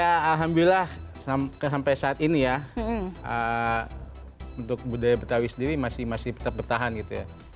ya alhamdulillah sampai saat ini ya untuk budaya betawi sendiri masih tetap bertahan gitu ya